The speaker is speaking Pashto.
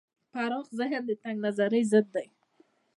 پراخ ذهن د تنگ نظرۍ ضد دی.